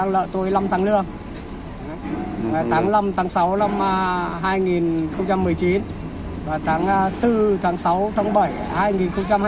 lợi tuổi năm tháng lương ngày tháng năm tháng sáu năm hai nghìn một mươi chín và tháng bốn tháng sáu tháng bảy hai nghìn hai mươi